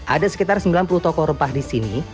ada sekitar sembilan puluh toko rempah di sini